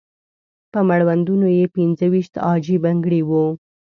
په مړوندونو یې پنځه ويشت عاجي بنګړي وو.